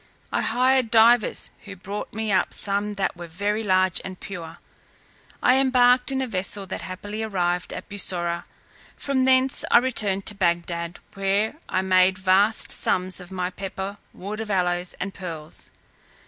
I hired divers, who brought me up some that were very large and pure. I embarked in a vessel that happily arrived at Bussorah; from thence I returned to Bagdad, where I made vast sums of my pepper, wood of aloes, and pearls.